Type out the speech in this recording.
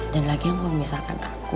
dan lagi kalau misalkan aku